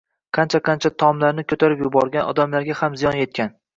Qancha-qancha tomlarni ko‘tarib yuborgan, odamlarga ham ziyon yetgan